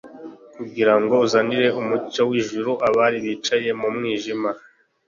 kugira ngo azanire umucyo w'ijuru abari bicaye mu mwijima.